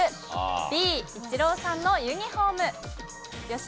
Ｂ、イチローさんのユニホーム。